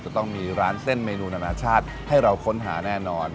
จะต้องมีร้านเส้นเมนูนานาชาติให้เราค้นหาแน่นอน